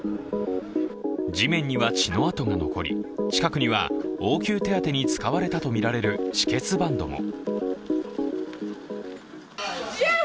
地面には血の跡が残り、近くには応急手当てに使われたとみられる止血バントも。